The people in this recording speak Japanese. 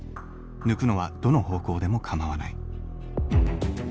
抜くのはどの方向でも構わない。